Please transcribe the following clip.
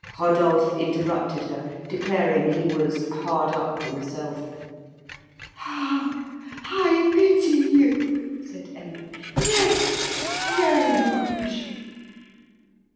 Rodolphe interrupted her, declaring he was "hard up" himself. "Ah! I pity you," said Emma. "Yes very much."